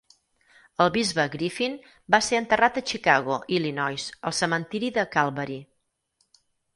El Bisbe Griffin va ser enterrat a Chicago, Illinois, al cementiri de Calvary.